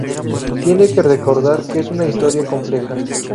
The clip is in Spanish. Tienen que recordar que es una historia compleja.